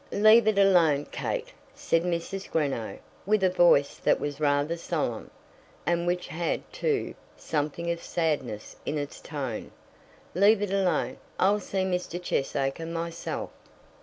"Leave it alone, Kate," said Mrs. Greenow, with a voice that was rather solemn; and which had, too, something of sadness in its tone. "Leave it alone. I'll see Mr. Cheesacre myself."